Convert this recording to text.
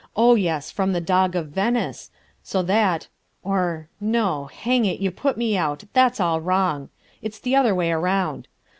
Oh, yes ... from the Dog of Venice, so that ... or ... no, hang it, you put me out, that's all wrong. It's the other way round.